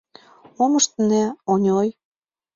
Мом ыштена, Оньой?..